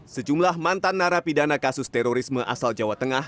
sejumlah mantan narapidana kasus terorisme asal jawa tengah